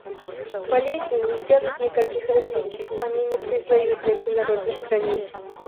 Болезни не делают никаких различий; они не признают международных границ.